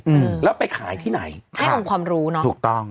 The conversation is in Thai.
อืมแล้วไปขายที่ไหนให้องค์ความรู้เนอะถูกต้อง